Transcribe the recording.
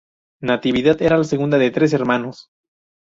Natividad era la segunda de tres hermanos.